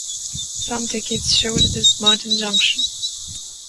Some tickets showed it as Murton Junction.